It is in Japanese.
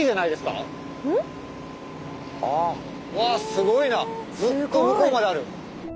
すごいなずっと向こうまである。